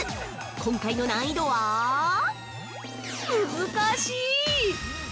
今回の難易度はむずかしい。